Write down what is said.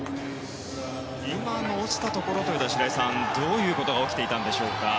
今の落ちたところは白井さん、どういうことが起きていたんでしょうか？